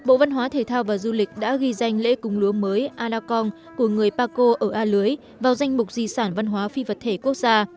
năm hai nghìn một mươi chín bộ văn hóa thể thao và du lịch đã ghi danh lễ cung lúa mới anacong của người paco ở a lưới vào danh mục di sản văn hóa phi vật thể quốc gia